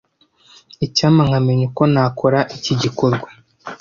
Icyampa nkamenya uko nakora iki gikorwa.